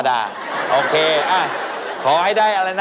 ราวดีเร๋ง